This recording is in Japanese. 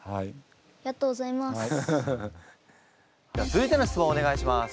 続いての質問をお願いします。